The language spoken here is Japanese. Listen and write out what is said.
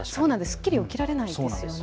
すっきり起きられないですよね。